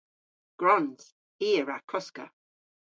Gwrons. I a wra koska.